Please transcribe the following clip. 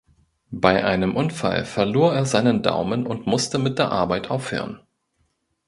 Bei einem Unfall verlor er seinen Daumen und musste mit der Arbeit aufhören.